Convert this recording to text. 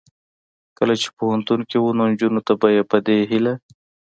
کله چې پوهنتون کې و نو نجونو ته به یې په دې هیله